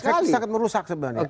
efek itu sangat merusak sebenarnya